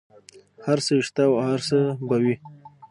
هر څه یې شته او هر څه به وي.